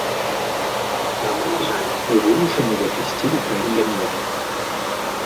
Таму, на жаль, мы вымушаныя ісці на крайнія меры.